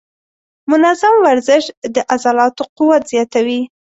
منظم ورزش د عضلاتو قوت زیاتوي.